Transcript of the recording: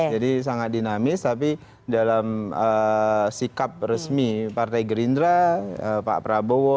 jadi sangat dinamis tapi dalam sikap resmi partai gerindra pak prabowo